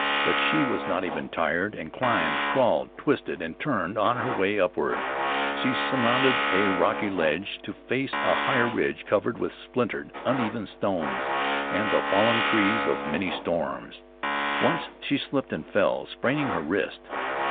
But she was not even tired, and climbed, crawled, twisted and turned on her way upward. She surmounted a rocky ledge, to face a higher ridge covered with splintered, uneven stones, and the fallen trees of many storms. Once she slipped and fell, spraining her wrist.